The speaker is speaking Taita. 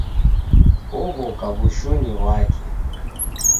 Oghoka w'ushunyi ghwake.